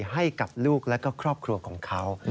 ให้กับลูกและก็ครอบครัวของเขา